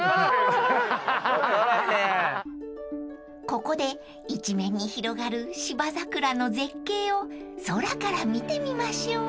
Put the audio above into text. ［ここで一面に広がる芝桜の絶景を空から見てみましょう］